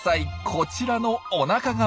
こちらのおなか側。